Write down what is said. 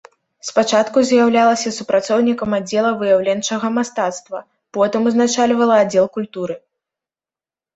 Спачатку з'яўлялася супрацоўнікам аддзела выяўленчага мастацтва, потым узначальвала аддзел культуры.